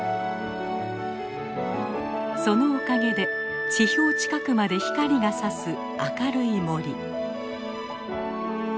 そのおかげで地表近くまで光がさす明るい森。